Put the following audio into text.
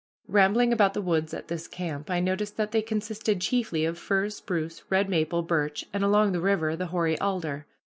Rambling about the woods at this camp, I noticed that they consisted chiefly of firs, spruce, red maple, birch, and, along the river, the hoary alder.